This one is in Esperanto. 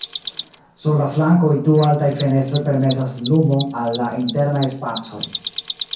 Sur la flankoj, du altaj fenestroj permesas lumon al la internaj spacoj.